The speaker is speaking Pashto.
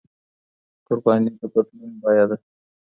قرباني د بدلون بيه ده.